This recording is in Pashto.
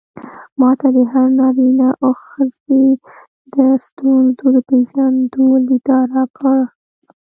ما ته د هر نارينه او ښځې د ستونزو د پېژندو ليد راکړ.